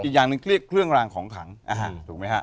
อีกอย่างหนึ่งเรียกเครื่องรางของขังถูกไหมฮะ